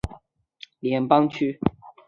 远东联邦管区是俄罗斯位于远东的联邦区。